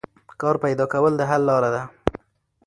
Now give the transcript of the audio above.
کار پیدا کول د حل لار ده.